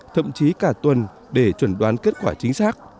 thậm chí cả tuần để chuẩn đoán kết quả chính xác